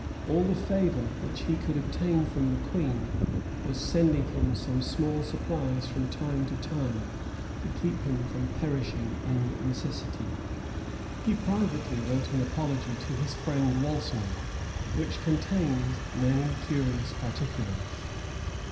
All the favor which he could obtain from the queen, was sending him small supplies from time to time, to keep him from perishing in necessity.[] * Camden, p. 536. Spotswood, p. 358. Camden, p. 538. He privately wrote an apology to his friend Walsingham, which contains many curious particulars.